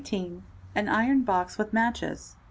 An iron box with matches.